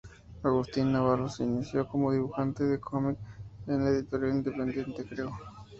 Agustín Navarro se inició como dibujante de cómic en la editorial independiente Creo.